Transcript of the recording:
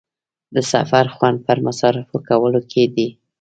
د سفر خوند پر مصارفو کولو کې دی.